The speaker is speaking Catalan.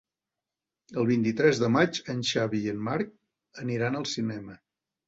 El vint-i-tres de maig en Xavi i en Marc aniran al cinema.